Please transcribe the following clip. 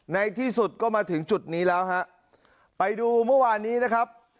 ในที่สุดก็มาถึงจุดนี้แล้วฮะไปดูเมื่อวานนี้นะครับ